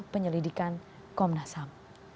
penyelidikan komnas ham